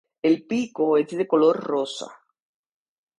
El pico es de color rosa.